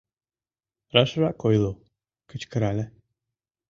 — Рашрак ойло, — кычкырале.